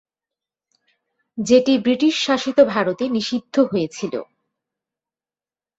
যেটি ব্রিটিশ শাসিত ভারতে নিষিদ্ধ হয়েছিল।